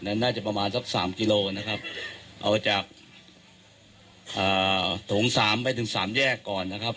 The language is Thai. น่าจะประมาณสักสามกิโลนะครับเอาจากโถงสามไปถึงสามแยกก่อนนะครับ